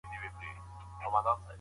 که په يوه چاپيريال کي وروزل سي.